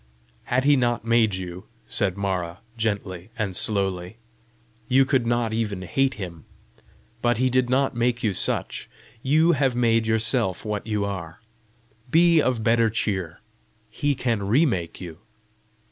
"Had he not made you," said Mara, gently and slowly, "you could not even hate him. But he did not make you such. You have made yourself what you are. Be of better cheer: he can remake you."